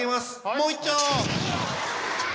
もういっちょう！